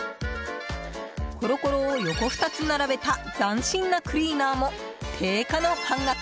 コロコロを横２つ並べた斬新なクリーナーも定価の半額。